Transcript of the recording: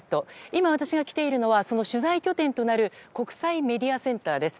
今、私が来ているのはその取材拠点となる国際メディアセンターです。